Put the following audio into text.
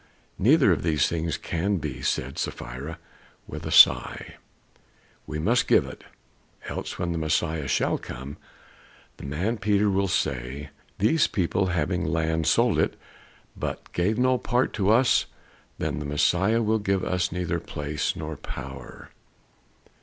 "Neither of these things can be," said Sapphira with a sigh. "We must give it, else when the Messiah shall come, the man Peter will say, 'These people having land sold it, but gave no part to us;' then the Messiah will give us neither place nor power."